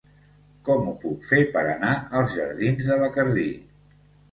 Com ho puc fer per anar als jardins de Bacardí?